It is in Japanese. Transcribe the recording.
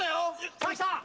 さあ、きた！